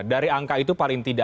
dari angka itu apa yang terjadi